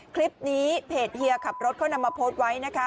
คลิปนี้เพจเฮียขับรถเขานำมาโพสต์ไว้นะคะ